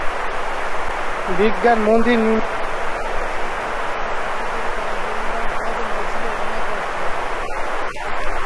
বিজ্ঞান মন্দির নির্মাণের এই বিশাল পরিকল্পনা কার্যকরী করার জন্য প্রয়োজন হয়েছিল অনেক অর্থের।